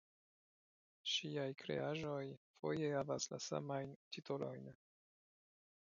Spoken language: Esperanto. Ŝiaj kreaĵoj foje havas la samajn titolojn!